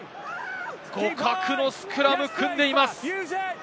互角のスクラムを組んでいます。